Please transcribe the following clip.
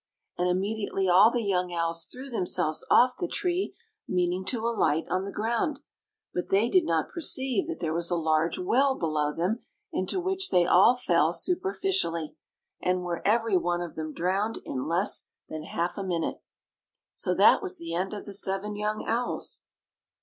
And immediately all the young owls threw themselves off the tree, meaning to alight on the ground; but they did not perceive that there was a large well below them, into which they all fell superficially, and were every one of them drowned in less than half a minute. So that was the end of the seven young owls.